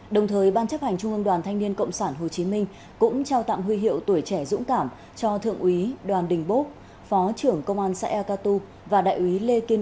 cũng trong ngày hôm nay trung ương đoàn thanh niên cộng sản hồ chí minh đã quyết định tạm huy hiệu tuổi trẻ dũng cảm cho năm cán bộ chiến sĩ công an